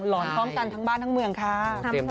หอนพร้อมกันทั้งบ้านทั้งเมืองค่ะ